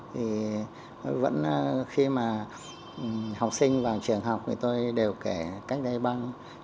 thì vẫn khi mà học sinh vào trường học thì tôi đều kể cách đây băng